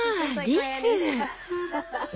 リス！